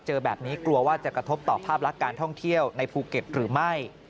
เจอแบบนี้กลัวว่าจะกระทบต่อภาพลักษณ์การท่องเที่ยวในภูเก็ตหรือไม่